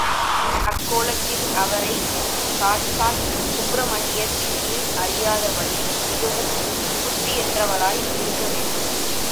அக் கோலத்தில் அவரை சாட்சாத் சுப்பிரமணியர் என்று அறியாத வள்ளி மிகவும் புத்தியற்றவளாய் இருக்க வேண்டும்!